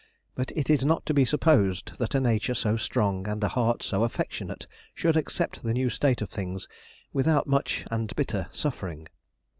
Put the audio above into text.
But it is not to be supposed that a nature so strong and a heart so affectionate should accept the new state of things without much and bitter suffering.